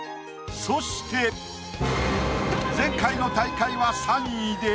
そして前回の大会は３位で。